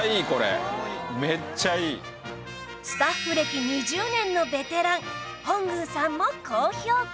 スタッフ歴２０年のベテラン本宮さんも高評価